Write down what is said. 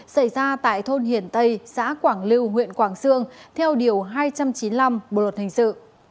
xảy ra tại thôn hiển tây xã quảng lưu huyện quảng sương theo điều hai trăm chín mươi năm bộ luật hình sự